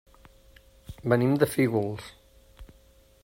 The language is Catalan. Venim de Fígols.